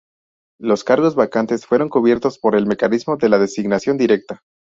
Los cargos vacantes fueron cubiertos por el mecanismo de la designación directa.